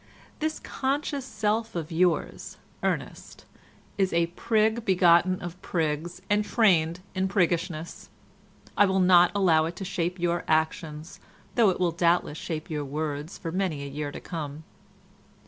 This conscious self of yours, Ernest, is a prig begotten of prigs and trained in priggishness; I will not allow it to shape your actions, though it will doubtless shape your words for many a year to come.